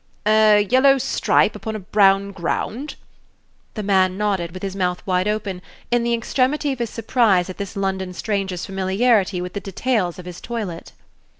"A yellow stripe upon a brown ground?" The man nodded, with his mouth wide open, in the extremity of his surprise at this London stranger's familiarity with the details of his toilet.